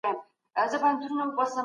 کتابتون ته لاړ سئ او څېړنه پیل کړئ.